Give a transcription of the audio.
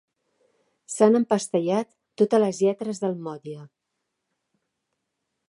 S'han empastellat totes les lletres del motlle.